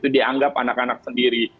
dianggap anak anak sendiri